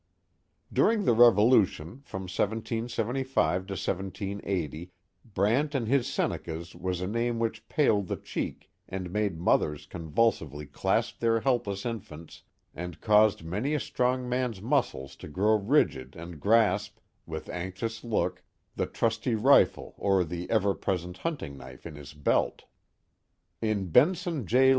During the Revolution, from 1775 to 1780, Brant and his Senecas was a name which paled the cheek and made mothers convulsively clasp their helpless in fants, and caused many a strong man's muscles to grow rigid 259 ate The Mohawk Valley and grasp, with anxious look, the trusty rifle or the ever present hunting knife in his belt. In Benson J